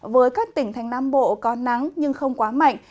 với các tỉnh thành nam bộ có nắng nhưng không quá mạnh